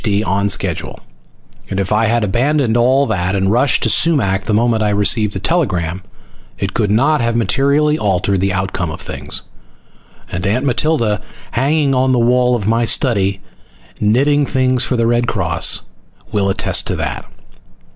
D. on schedule, and if I had abandoned all that and rushed to Sumac the moment I received the telegram it could not have materially altered the outcome of things. And Aunt Matilda, hanging on the wall of my study, knitting things for the Red Cross, will attest to that.